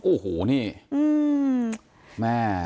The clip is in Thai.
โอ้โหนี่แม่